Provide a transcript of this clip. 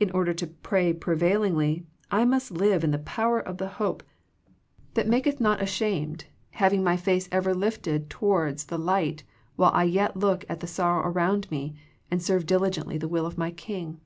In order to pray prevailingly, I must live in the power of the hope that maketh not 68 THE PEACTICE OF PEAYEE ashamed, having my face ever lifted towards the light while I yet look at the sorrow around me, and serve diligently the will of my King.